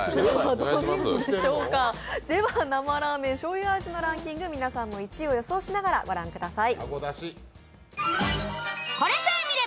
では、生ラーメン醤油味のランキング、皆さんも１位を予想しながら御覧ください。